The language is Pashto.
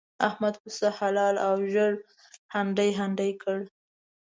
احمد پسه حلال او ژر هنډي هنډي کړ.